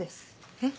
えっ？